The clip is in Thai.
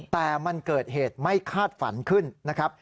แต่มันเกิดเหตุไม่คาดฝันขึ้นนะครับ